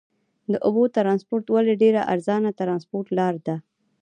د اوبو ترانسپورت ولې ډېره ارزانه ترانسپورت لار ده؟